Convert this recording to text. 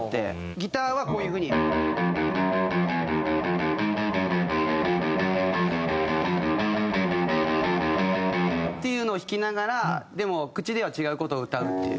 ギターはこういう風に。っていうのを弾きながらでも口では違う事を歌うっていう。